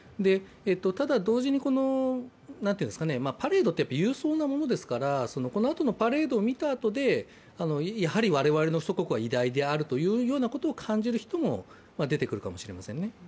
ただ同時に、このパレードって勇壮なものですからこのあとのパレードを見たあとで、やはり我々の祖国は偉大であると感じる人も出てくるかもしれませんね。